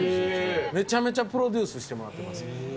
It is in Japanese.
めちゃめちゃプロデュースしてもらってます。